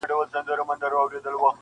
• یو له بله به په جار او په قربان وه -